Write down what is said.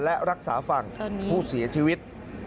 และรักษาฝั่งผู้เสียชีวิต